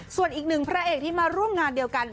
ส่วนอีกหนึ่งพระเอกที่มาร่วมงานเดียวกัน